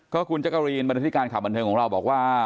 ก็คุณจักรีนบรรณฐิการข่าวบันเทิงของเราบอกว่า